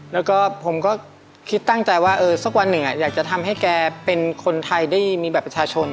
แล้วก็ผมก็คิดตั้งใจว่าสักวันหนึ่งอยากจะทำให้แกเป็นคนไทยได้มีบัตรประชาชน